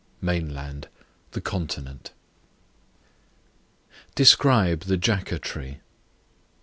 Mainland, the continent. Describe the Jaca Tree.